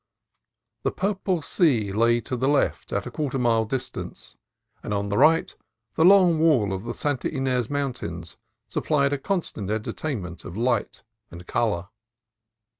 The purple sea lay to the left at a quarter mile distance, and on the right the long wall of the Santa Ynez Mountains supplied a constant entertainment of light and color.